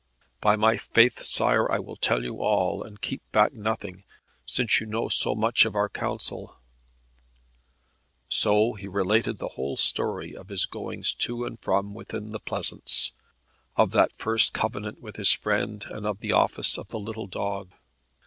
"By my faith, Sire, I will tell you all, and keep back nothing, since you know so much of our counsel." So he related the whole story of his goings to and fro within the pleasaunce; of that first covenant with his friend, and of the office of the little dog.